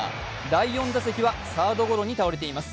第４打席はサードゴロに倒れています。